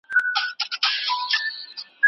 شهبازخان افغان شکلی هلک دی